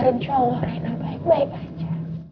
insyaallah gak akan terjadi apa apa